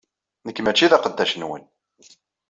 Nekk mačči d aqeddac-nwen.